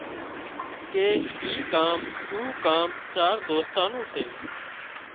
ڪي اي ڪام او ڪام چار دوستان نُون سي